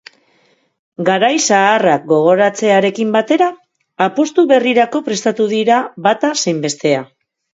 Garai zaharrak gogoratzearekin batera, apustu berrirako prestatuko dira bata zein bestea.